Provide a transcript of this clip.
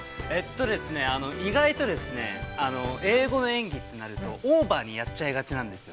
◆意外と英語の演技となるとオーバーにやっちゃいがちなんですよ。